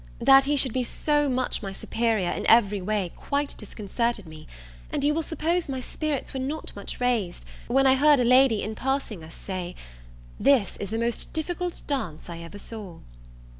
That he should be so much my superior in every way, quite disconcerted me; and you will suppose my spirits were not much raised, when I heard a lady, in passing us, say, "This is the most difficult dance I ever saw."